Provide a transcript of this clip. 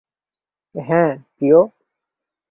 হ্যাঁ, প্রিয়?